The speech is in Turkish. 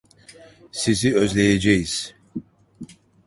Sizi özleyeceğiz.